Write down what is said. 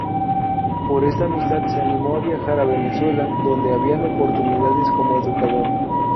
Por esta amistad se animó a viajar a Venezuela, donde habían oportunidades como educador.